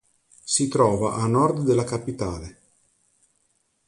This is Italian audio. Si trova a nord della capitale.